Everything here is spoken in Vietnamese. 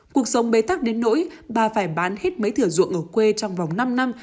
cuộc sống bấy tắc đến nỗi ba phải bán hết mấy thửa ruộng ở quê trong vòng năm năm